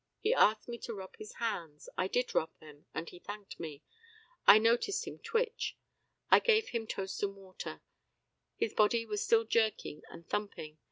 He asked me to rub his hands. I did rub them, and he thanked me. I noticed him 'twitch.' I gave him toast and water. His body was still jerking and jumping.